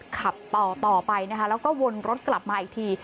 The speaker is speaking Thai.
ขับต่อไปนะคะแล้วก็วนรถกลับมาอีกที